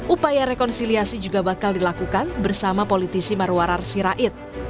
upaya rekonsiliasi juga bakal dilakukan bersama politisi marwarar sirait